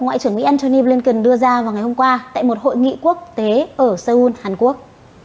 ngoại trưởng mỹ antony blinken đưa ra vào ngày hôm qua tại một hội nghị quốc tế ở seoul hàn quốc